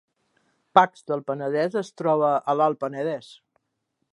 Pacs del Penedès es troba a l’Alt Penedès